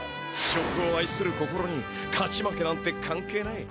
食をあいする心に勝ち負けなんてかんけいない。